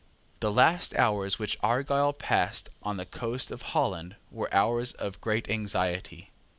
The last hours which Argyle passed on the coast of Holland were hours of great anxiety.